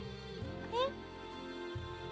えっ？